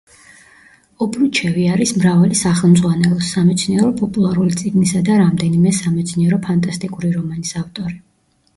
ობრუჩევი არის მრავალი სახელმძღვანელოს, სამეცნიერო პოპულარული წიგნისა და რამდენიმე სამეცნიერო ფანტასტიკური რომანის ავტორი.